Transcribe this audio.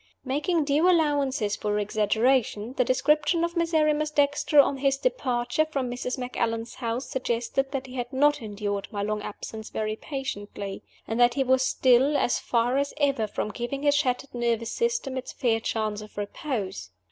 Making due allowance for exaggeration, the description of Miserrimus Dexter on his departure from Mrs. Macallan's house suggested that he had not endured my long absence very patiently, and that he was still as far as ever from giving his shattered nervous system its fair chance of repose.